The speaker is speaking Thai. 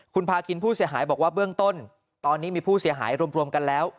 คุณพาคินผู้เสียหายบอกว่าเบื้องต้นตอนนี้มีผู้เสียหายรวมกันแล้ว